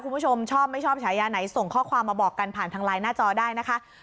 คุณผู้ชมชอบไม่ชอบฉายาไหนส่งข้อความมาบอกกันผ่านทางไลน์หน้าจอได้นะคะ